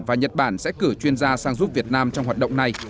và nhật bản sẽ cử chuyên gia sang giúp việt nam trong hoạt động này